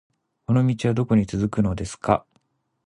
この道はどこに続くのですか